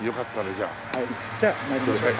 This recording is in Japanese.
じゃあ参りましょうか。